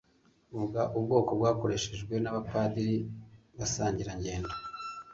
Vuga Ubwato bwakoreshejwe na ba Padiri Basangirangendo